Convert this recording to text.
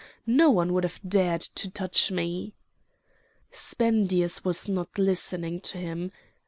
No one would have dared to touch me!" Spendius was not listening to him.